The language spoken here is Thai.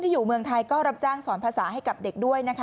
อยู่เมืองไทยก็รับจ้างสอนภาษาให้กับเด็กด้วยนะคะ